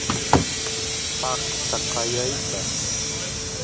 paqta qaya risaq